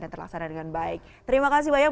dan terlaksana dengan baik terima kasih banyak